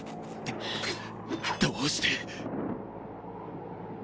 どうして？